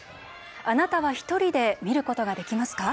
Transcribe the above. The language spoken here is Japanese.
あなたは１人で見ることができますか？